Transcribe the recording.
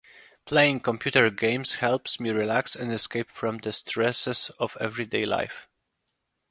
Playing computer games helps me relax and escape from the stresses of everyday life.